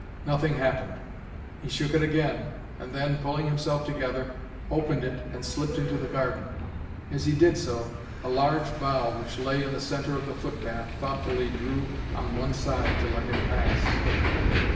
Nothing happened. He shook it again, and then, pulling himself together, opened it and slipped into the garden. As he did so a large bough which lay in the centre of the footpath thoughtfully drew on one side to let him pass.